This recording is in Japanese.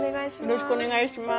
よろしくお願いします。